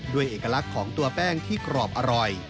เอกลักษณ์ของตัวแป้งที่กรอบอร่อย